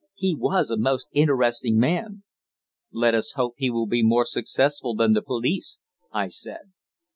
He was a most interesting man." "Let us hope he will be more successful than the police," I said.